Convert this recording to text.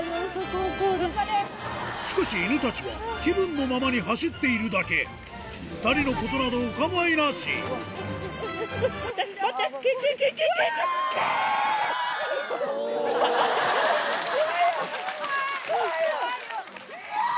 しかし犬たちは気分のままに走っているだけ２人のことなどお構いなしいやぁ！